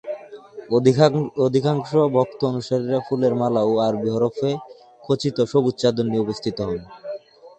অধিকাংশ ভক্ত অনুসারীরা ফুলের মালা ও আরবি হরফে খচিত সবুজ চাদর নিয়ে উপস্থিত হন।